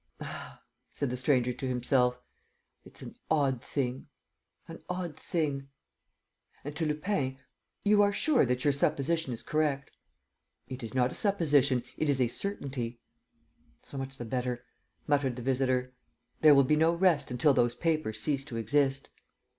"Ah!" said the stranger to himself. "It's an odd thing, an odd thing! ..." And, to Lupin, "You are sure that your supposition is correct?" "It is not a supposition: it is a certainty." "So much the better," muttered the visitor. "There will be no rest until those papers cease to exist."